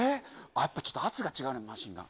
やっぱちょっと圧が違うね、マシンガン。